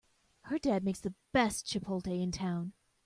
Her dad makes the best chipotle in town!